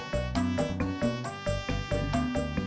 terima kasih pak